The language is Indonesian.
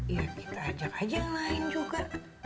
ya kita ajak aja yang lain juga